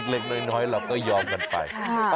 เล็กน้อยเราก็ยอมกันไป